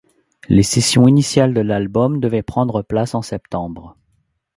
Les sessions initiales de l'album devaient prendre place en septembre.